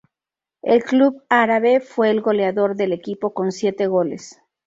En el club "Árabe" fue el goleador del equipo con siete goles.